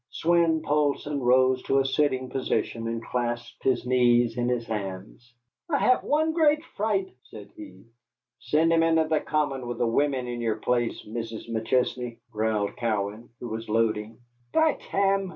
Swein Poulsson rose to a sitting position and clasped his knees in his hands. "I haf one great fright," said he. "Send him into the common with the women in yere place, Mis' McChesney," growled Cowan, who was loading. "By tam!"